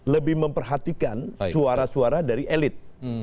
lebih memperhatikan suara suara dari elit